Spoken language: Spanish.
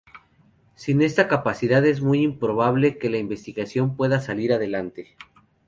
Sin esta capacidad es muy improbable que la investigación pueda salir adelante.